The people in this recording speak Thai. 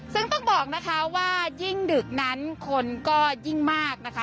ซึ่งต้องบอกนะคะว่ายิ่งดึกนั้นคนก็ยิ่งมากนะคะ